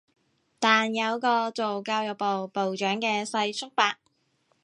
但有個做教育部部長嘅世叔伯